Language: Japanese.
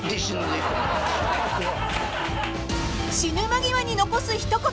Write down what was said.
［死ぬ間際に残す一言